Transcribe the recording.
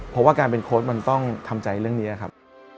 เพราะว่าการเป็นโค้ดมันต้องทำใจเรื่องนี้ครับ